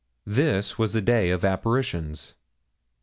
This was a day of apparitions!